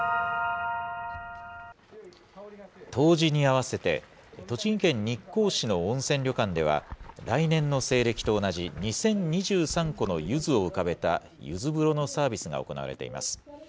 冬至に合わせて、栃木県日光市の温泉旅館では、来年の西暦と同じ２０２３個のゆずを浮かべたゆず風呂のサービスが行われています。